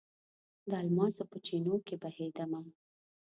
د الماسو په چېنو کې بهیدمه